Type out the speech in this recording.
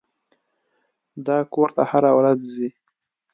دا کور ته هره ورځ ځي.